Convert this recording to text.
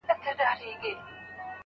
تجارت وکړ